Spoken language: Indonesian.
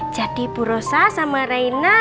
jadi bu rosa sama raina